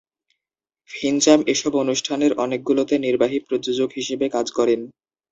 ফিঞ্চাম এসব অনুষ্ঠানের অনেকগুলোতে নির্বাহী প্রযোজক হিসেবে কাজ করেন।